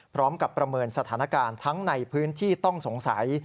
ประเมินสถานการณ์ทั้งในพื้นที่ต้องสงสัย